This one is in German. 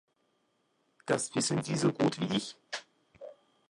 Das wissen Sie so gut wie ich.